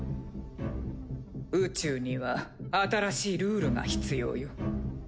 宇宙には新しいルールが必要よ。